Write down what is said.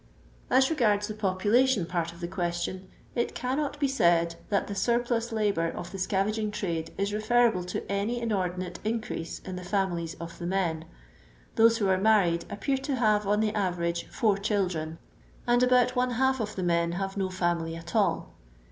As regards the population part of the question, it cannot be said that the surplus labour of the scavaging trade is referable to any inordinate in crease in the fiunilies of the men. Those who are married appear to have, on the avenge, four chil dren, and about one half of the men have no family at all.